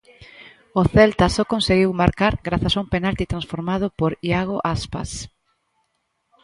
O Celta só conseguiu marcar grazas a un penalti transformado por Iago Aspas.